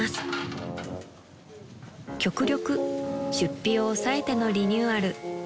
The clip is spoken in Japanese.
［極力出費を抑えてのリニューアル］